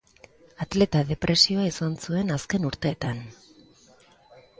Atleta depresioa izan zuen azken urteetan.